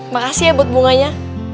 makasih ya buat bunganya